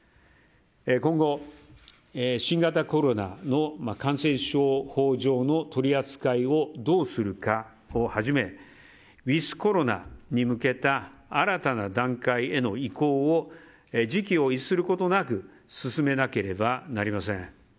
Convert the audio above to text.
今後、新型コロナの感染症法上の取り扱いをどうするかをはじめウィズコロナに向けた新たな段階への移行を時機を逸することなく進めなければなりません。